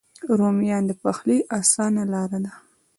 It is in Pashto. رومیان د پخلي آسانه لاره ده